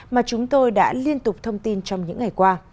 mà chúng tôi đã liên tục thông tin trong những ngày qua